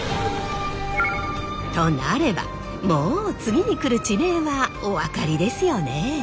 となればもう次に来る地名はお分かりですよね？